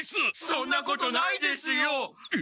そんなことないです！